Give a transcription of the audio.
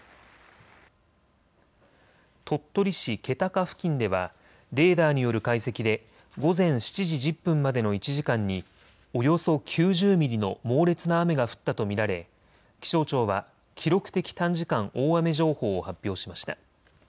鳥取市気高付近ではレーダーによる解析で午前７時１０分までの１時間におよそ９０ミリの猛烈な雨が降ったと見られ気象庁は記録的短時間大雨情報を発表しました。